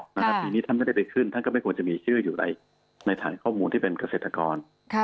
ปีนี้ท่านไม่ได้ไปขึ้นท่านก็ไม่ควรจะมีชื่ออยู่ในฐานข้อมูลที่เป็นเกษตรกร